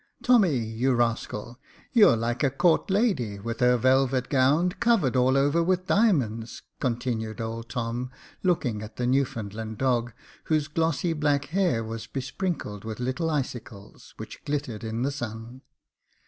Tommy, you rascal, you're like a court lady, with her velvet gownd, covered all over with diamonds," continued old Tom, looking at the Newfoundland dog, whose glossy black hair was besprinkled with little icicles, which glittered in the sun.